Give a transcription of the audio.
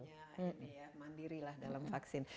ya mandiri dalam vaksin